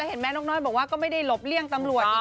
เห็นไหมนกน้อยบอกว่าก็ไม่ได้หลบเลี่ยงตำรวจ